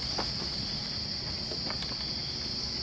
สวัสดีครับทุกคน